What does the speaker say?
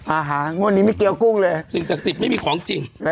อ่าฮะงวดนี้ไม่เกี้ยวกุ้งเลยสิ่งศักดิ์สิทธิ์ไม่มีของจริง